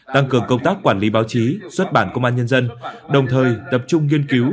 tăng cường công tác quản lý báo chí xuất bản công an nhân dân đồng thời tập trung nghiên cứu